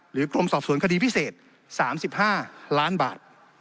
กรมสอบสวนคดีพิเศษ๓๕ล้านบาท